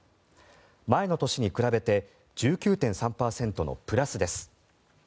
前の年に比べて１９．３％のプラスです。